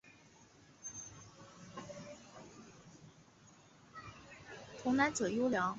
童男者尤良。